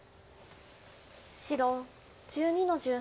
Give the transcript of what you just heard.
白１２の十八。